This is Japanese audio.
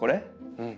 うん。